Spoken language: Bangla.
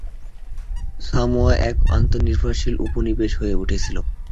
সামোয়া এক আত্মনির্ভরশীল উপনিবেশ হয়ে উঠেছিল।